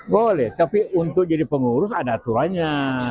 boleh tapi untuk jadi pengurus ada aturannya